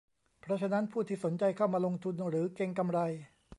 เพราะฉะนั้นผู้ที่สนใจเข้ามาลงทุนหรือเก็งกำไร